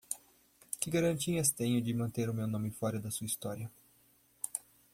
Que garantias tenho de manter o meu nome fora da sua história?